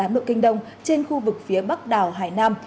một trăm một mươi tám độ kinh đông trên khu vực phía bắc đảo hải nam